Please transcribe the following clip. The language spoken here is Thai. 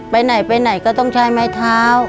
ไปไหนไปไหนก็ต้องใช้ไม้เท้า